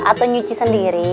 atau nyuci sendiri